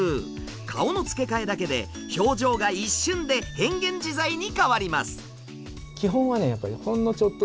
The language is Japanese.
顔の付け替えだけで表情が一瞬で変幻自在に変わります。